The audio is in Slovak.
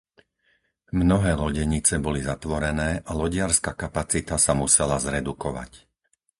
Mnohé lodenice boli zatvorené a lodiarska kapacita sa musela zredukovať.